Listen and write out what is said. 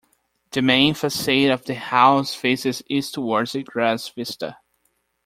The main facade of the house faces east towards a grass vista.